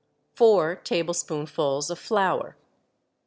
Four tablespoonfuls of flour.